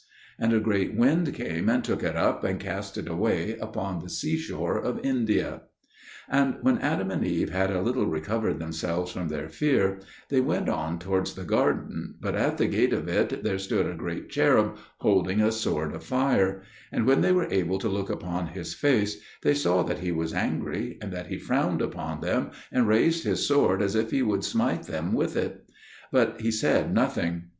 And a great wind came and took it up, and cast it away upon the seashore of India. And when Adam and Eve had a little recovered themselves from their fear, they went on towards the garden; but at the gate of it there stood a great cherub holding a sword of fire; and when they were able to look upon his face, they saw that he was angry and that he frowned upon them, and raised his sword as if he would smite them with it; but he said nothing.